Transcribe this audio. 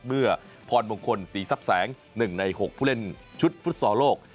เมื่อพรมงคลสีซับแสง๑ใน๖ผู้เล่นชุดฟุตสอโลก